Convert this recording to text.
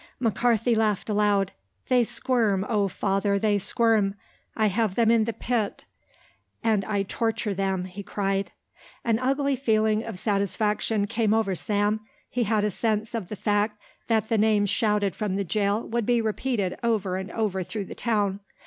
McCarthy laughed aloud. "They squirm, oh Father, they squirm; I have them in the pit and I torture them," he cried. An ugly feeling of satisfaction came over Sam. He had a sense of the fact that the names shouted from the jail would be repeated over and over through the town.